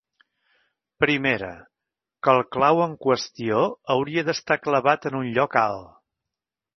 Primera, que el clau en qüestió hauria d'estar clavat en un lloc alt.